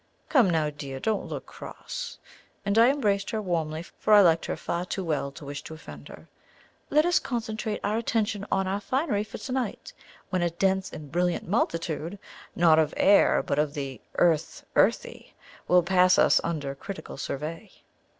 Come now, dear, don't look cross!" and I embraced her warmly, for I liked her far too well to wish to offend her. "Let us concentrate our attention on our finery for to night, when a 'dense and brilliant multitude,' not of air, but of the 'earth earthy,' will pass us under critical survey.